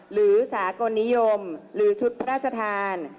หรือสากลนิยมหรือชุดพระราชทาน